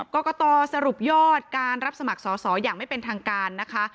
กรกตสรุปยอดการรับสมัครสอสออย่างไม่เป็นทางการนะคะ